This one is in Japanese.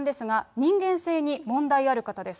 人間性に問題ある方です。